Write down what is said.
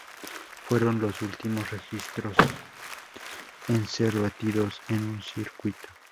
Fueron los últimos registros en ser batidos en un circuito.